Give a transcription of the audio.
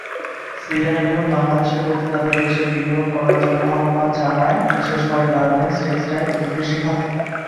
Sierra Leone বাংলাদেশের প্রতি তাদের দেশে বিনিয়োগ করার জন্য আহবান জানায়, বিশেষ করে গার্মেন্টস, টেক্সটাইল এবং কৃষি খাতে।